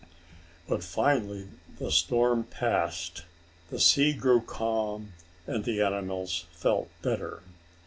But finally the storm passed, the sea grew calm and the animals felt better.